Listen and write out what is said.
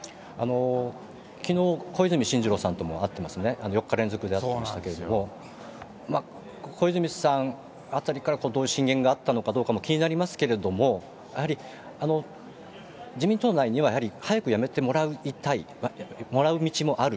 きのう、小泉進次郎さんとも会ってますね、４日連続で会ってましたけれども、小泉さんあたりから、どう進言があったかどうかというのも気になりますけれども、やはり、自民党内にはやはり早く辞めてもらいたい、もらう道もある、